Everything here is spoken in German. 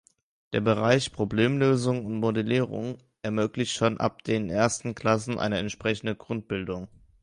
Der Bereich „Problemlösen und Modellieren“ ermöglicht schon ab den ersten Klassen eine entsprechende Grundbildung.